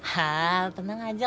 hal tenang aja